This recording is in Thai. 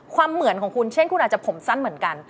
เหมือนของคุณเช่นคุณอาจจะผมสั้นเหมือนกัน